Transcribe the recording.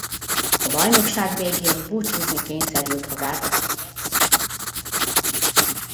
A bajnokság végén búcsúzni kényszerült a gárda a legmagasabb osztályból.